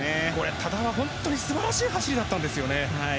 多田は本当に素晴らしい走りだったんですよね。